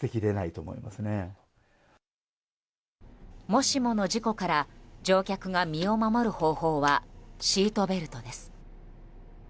もしもの事故から乗客が身を守る方法はシートベルトです。